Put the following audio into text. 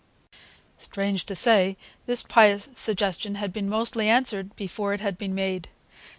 Strange to say, this pious suggestion had been mostly answered before it had been made.